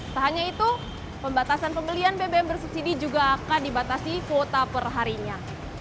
tak hanya itu pembatasan pembelian bbm bersubsidi juga akan dibatasi kuota perharinya